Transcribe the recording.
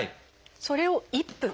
それを１分。